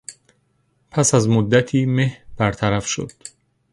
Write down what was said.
پس از مدتی مه برطرف شد.